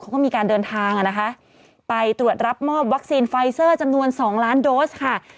เขาก็มีการเดินทางอ่ะนะคะไปตรวจรับมอบวัคซีนไฟเซอร์จำนวน๒ล้านโดสค่ะ